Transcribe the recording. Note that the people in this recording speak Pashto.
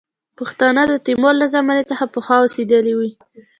پښتانه د تیمور له زمانې څخه پخوا اوسېدلي وي.